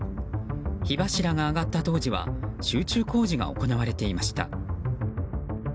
火柱が上がった当時は集中工事が行われていました。